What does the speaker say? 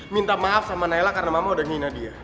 minta maaf sama nailah karena mama udah nginah dia